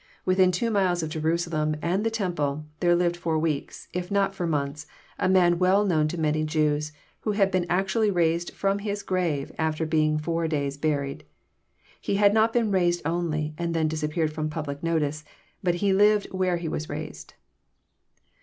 Within two miles of Jerusalem and the temple, there lived for weeks, if not for months, a man well known to many Jews, who had been actually raised from his grave after being four days buried. He had not been raised only, and then disappeared from public notice, but he lived where He was raised.